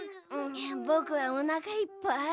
ぼくはおなかいっぱい。